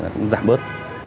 cũng giảm bớt